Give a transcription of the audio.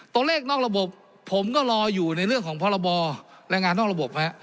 ตัวเลขนอกระบบผมก็รออยู่ในเรื่องของพรบแรงงานนอกระบบ